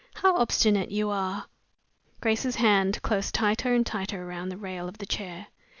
"How obstinate you are!" Grace's hand closed tighter and tighter round the rail of the chair.